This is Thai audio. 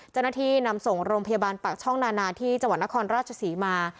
เจ้าหน้าที่นำส่งโรงพยาบาลปากช่องนานาที่จังหวัดนครราชศรีมา